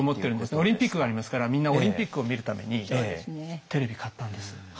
オリンピックがありますからみんなオリンピックを見るためにテレビ買ったんです。